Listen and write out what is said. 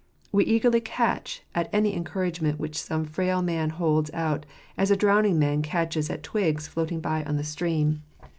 We eagerly catch at any encourage i ment which some frail man holds out, as a drowning man j 1 catches at twigs floating by on the stream.